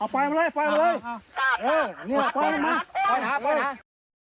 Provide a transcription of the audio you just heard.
ปล่อยมาเลยปล่อยนะ